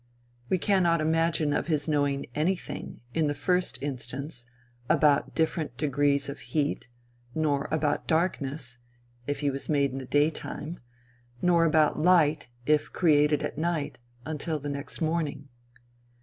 We cannot imagine of his knowing anything, in the first instance, about different degrees of heat, nor about darkness, if he was made in the day time, nor about light, if created at night, until the next morning.